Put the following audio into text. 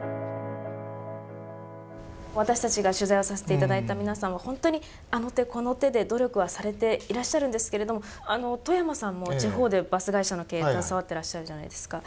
私たちが取材をさせていただいた皆さんは本当に、あの手この手で努力はされていらっしゃるんですけれど冨山さんも地方でバス会社の経営携わってらっしゃるじゃないですか。